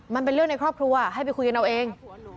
มันเป็นเรื่องในครอบครัวให้ไปคุยกันเอาเอง